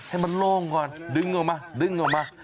ให้มันโล่งก่อนดึงออกมา